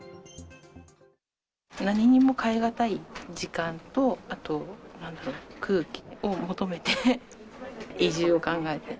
何にも代え難い時間とあと、なんだろう、空気を求めて移住を考えている。